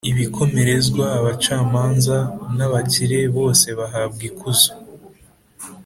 Ibikomerezwa, abacamanza, n’abakire, bose bahabwa ikuzo,